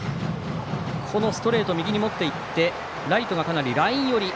このストレートを右に持っていってライトがかなりライン寄り。